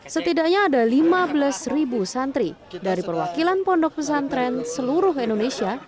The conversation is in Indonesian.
setidaknya ada lima belas ribu santri dari perwakilan pondok pesantren seluruh indonesia